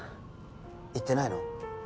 言ってないの？